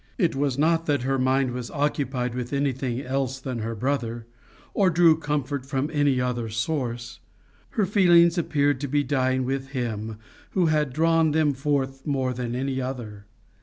It was not that her mind was occupied with anything else than her brother, or drew comfort from another source; her feelings appeared to be dying with him who had drawn them forth more than any other.